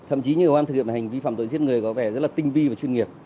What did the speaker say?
thậm chí như các em thực hiện hành vi phạm tội giết người có vẻ rất là tinh vi và chuyên nghiệp